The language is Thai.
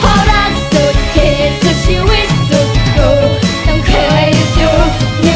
เพราะรักสุดเขตสุดชีวิตสุดรู้